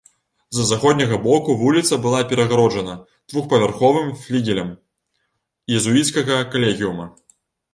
З заходняга боку вуліца была перагароджана двухпавярховым флігелем езуіцкага калегіума.